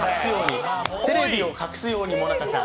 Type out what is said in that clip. テレビを隠すように、もなかちゃん。